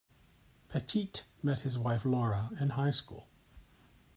Pettitte met his wife Laura in high school.